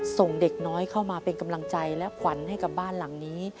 ส่งเด็กน้อยเข้ามาเป็นกำลังใจและขวัญให้กับบ้านหลังนี้